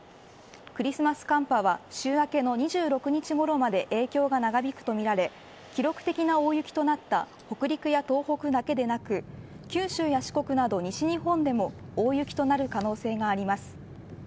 クリスマス寒波は週明けの２６日ごろまで影響が長引くとみられ記録的な大雪となった北陸や東北だけでなく九州や四国など西日本でも大雪となる可能性があります。